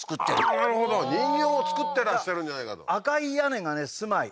なるほど人形を作ってらっしゃるんじゃないかと赤い屋根がね住まい